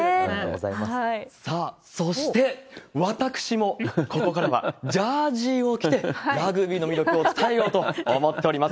さあ、そして、私も、ここからはジャージを着て、ラグビーの魅力を伝えようと思っております。